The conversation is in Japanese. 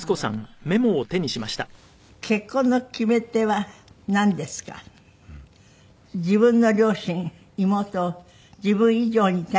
「結婚の決め手はなんですか？」「自分の両親妹を自分以上に大切にしていたからです」